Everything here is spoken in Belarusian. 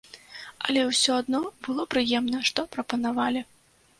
Але ўсё адно было прыемна, што прапанавалі.